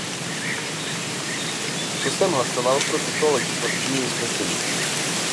Proto jsem hlasoval pro toto legislativní usnesení.